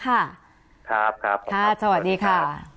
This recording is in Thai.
ครับครับขอบคุณค่ะสวัสดีค่ะ